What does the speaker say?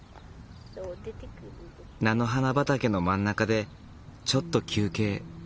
菜の花畑の真ん中でちょっと休憩。